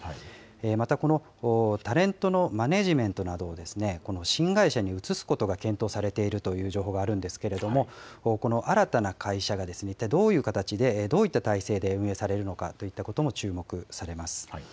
また、タレントのマネージメントなどを新会社に移すことが検討されているという情報があるんですけれども、この新たな会社がいったいどういう形で、どういった体制で運営されるのかといったことも注目されます。